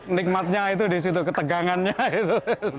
nikmatnya itu di situ ketegangannya itu